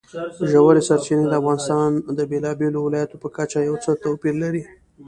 ژورې سرچینې د افغانستان د بېلابېلو ولایاتو په کچه یو څه توپیر لري.